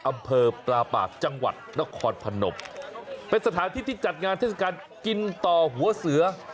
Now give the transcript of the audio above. อำเภอปลาปากจังหวัดนครพนมเป็นสถานที่ที่จัดงานเทศกาลกินต่อหัวเสือ